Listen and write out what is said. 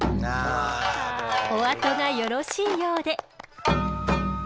お後がよろしいようで。